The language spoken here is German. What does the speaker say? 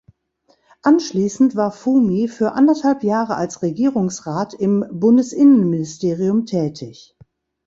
Anschließend war Fumi für anderthalb Jahre als Regierungsrat im Bundesinnenministerium tätig.